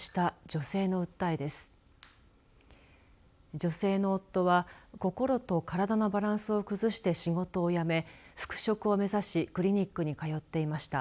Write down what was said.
女性の夫は心と体のバランスを崩して仕事を辞め、復職を目指しクリニックに通っていました。